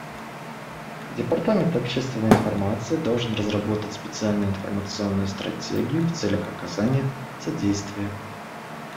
Департамент общественной информации должен разработать специальную информационную стратегию в целях оказания содействия.